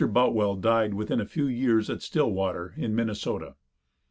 Boutwell died within a few years at Stillwater, in Minnesota.